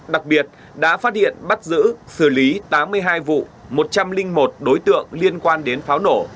đặc biệt đã phát hiện bắt giữ xử lý tám mươi hai vụ một trăm linh một đối tượng liên quan đến pháo nổ